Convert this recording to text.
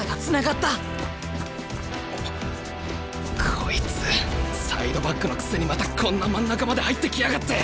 こいつサイドバックのくせにまたこんな真ん中まで入ってきやがって。